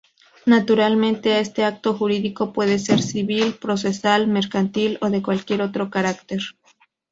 Naturalmente este acto jurídico puede ser civil, procesal, mercantil o de cualquier otro carácter.